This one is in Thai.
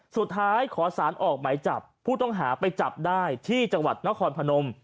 ขอสารออกหมายจับผู้ต้องหาไปจับได้ที่จังหวัดนครพนม